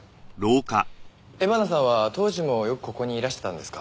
江花さんは当時もよくここにいらしてたんですか？